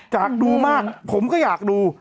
อยากดูมากผมก็อยากดู